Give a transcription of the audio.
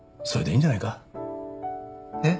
えっ？